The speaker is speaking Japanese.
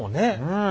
うん。